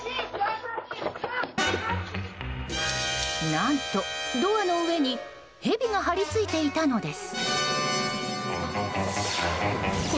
何と、ドアの上にヘビが張り付いていたのです。